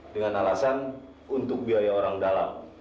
dengan alasan untuk biaya orang dalam